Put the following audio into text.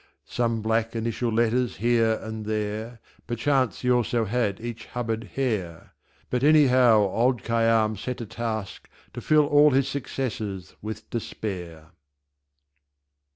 Some black initial letters here and there, Perchance he also had E. Hubbard Hair But anyhow old Khayyam set a Task To fill all his Successors with despair!